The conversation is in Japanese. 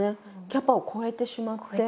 キャパを超えてしまって。